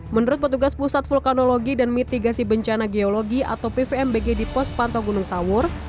menurut petugas pusat vulkanologi dan mitigasi bencana geologi atau pvmbg di pos pantau gunung sawur